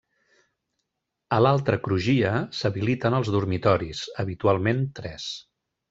A l'altra crugia, s'habiliten els dormitoris, habitualment tres.